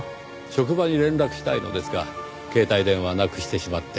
職場に連絡したいのですが携帯電話をなくしてしまって。